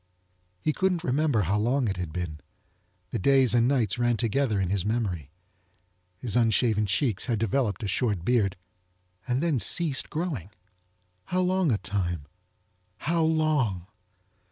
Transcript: He couldn't remember how long it had been. The days and nights ran together in his memory. His unshaven checks had developed a short beard and then ceased growing. How long a time? How long?